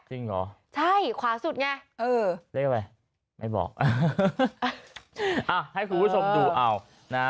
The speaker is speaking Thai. จริงเหรอใช่ขวาสุดไงเลขไว้ไม่บอกให้คุณผู้ชมดูเอา